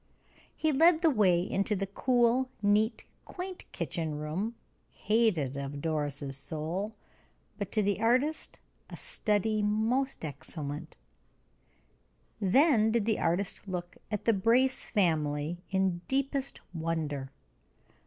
He led the way into the cool, neat, quaint kitchen room, hated of Doris' soul, but to the artist a study most excellent. Then did the artist look at the Brace family in deepest wonder.